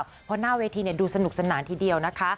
เพราะหน้าเวทีดูสนุกสนานทีเดียวนะคะ